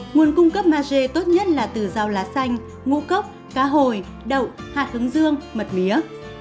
nguồn cung cấp mar dê tốt nhất là từ rau lá xanh ngũ cốc cá hồi đậu hạt hứng dương mật mía